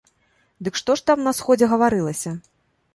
Дык што ж там на сходзе гаварылася?